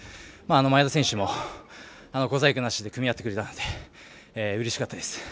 前田選手も小細工なしで組み合ってくれたのでうれしかったです。